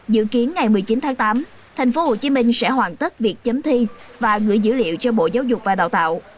dự kiến ngày một mươi chín tháng tám tp hcm sẽ hoàn tất việc chấm thi và gửi dữ liệu cho bộ giáo dục và đào tạo